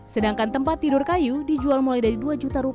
sedangkan tempat tidur kayu dijual mulai dari dua juta rupiah per unit